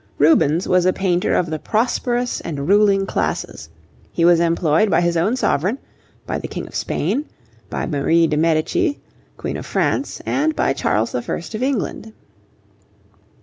Rubens was a painter of the prosperous and ruling classes. He was employed by his own sovereign, by the King of Spain, by Marie de Medicis, Queen of France, and by Charles I. of England.